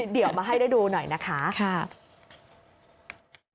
เดี๋ยวมาให้ได้ดูหน่อยนะคะ